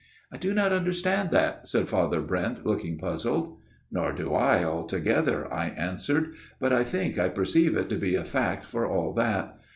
" I do not understand that/' said Father Brent, looking puzzled. " Nor do I altogether/' I answered, " but I think I perceive it to be a fact for all that.